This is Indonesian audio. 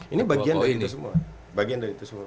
ini bagian dari itu semua